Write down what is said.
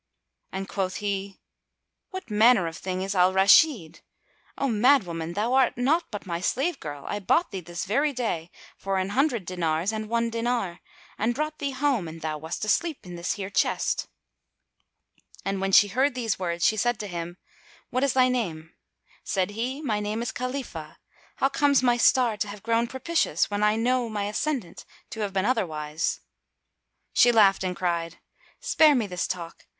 And quoth he, "What manner of thing is Al Rashid? [FN#247] O madwoman, Thou art naught but my slave girl: I bought thee this very day for an hundred dinars and one dinar, and brought thee home, and thou wast asleep in this here chest." When she had heard these words she said to him, "What is thy name?" Said he, "My name is Khalifah. How comes my star to have grown propitious, when I know my ascendant to have been otherwise?" She laughed and cried, "Spare me this talk!